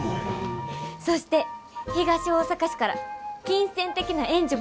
そして東大阪市から金銭的な援助も受けられるそうです！